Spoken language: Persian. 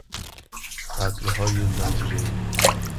قتل های زنجیره ای